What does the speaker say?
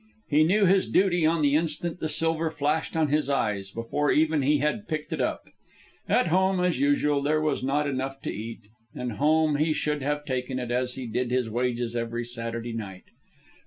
He knew his duty on the instant the silver flashed on his eyes, before even he had picked it up. At home, as usual, there was not enough to eat, and home he should have taken it as he did his wages every Saturday night.